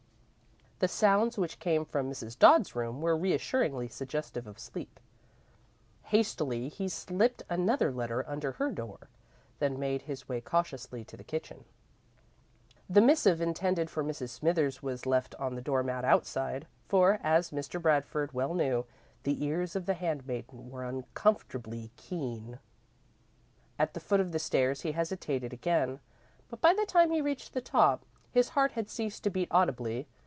The sounds which came from Mrs. Dodd's room were reassuringly suggestive of sleep. Hastily, he slipped another letter under her door, then made his way cautiously to the kitchen. The missive intended for Mrs. Smithers was left on the door mat outside, for, as Mr. Bradford well knew, the ears of the handmaiden were uncomfortably keen. At the foot of the stairs he hesitated again, but by the time he reached the top, his heart had ceased to beat audibly.